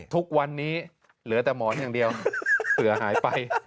ทุกวันนี้เหลือแต่หมอนอย่างเดียวเผื่อหายไป